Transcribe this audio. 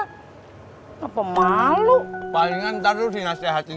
ya elah biasa aja kali yang penting lu udah usaha kerja lu halal